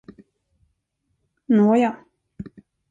Nåja!